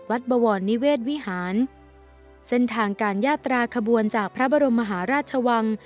บวรนิเวศวิหารเส้นทางการยาตราขบวนจากพระบรมมหาราชวัง